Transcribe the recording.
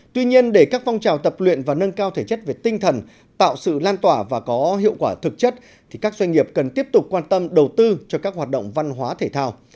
tuy nhiên để các phong trào tập luyện và nâng cao thể chất về tinh thần tạo sự lan tỏa và có hiệu quả thực chất thì các doanh nghiệp cần tiếp tục quan tâm đầu tư cho các hoạt động văn hóa thể thao